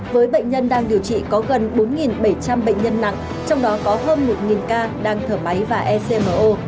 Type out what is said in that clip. với bệnh nhân đang điều trị có gần bốn bảy trăm linh bệnh nhân nặng trong đó có hơn một ca đang thở máy và ecmo